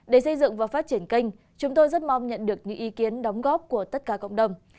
để xây dựng và phát triển kênh chúng tôi rất mong nhận được những ý kiến đóng góp của tất cả cộng đồng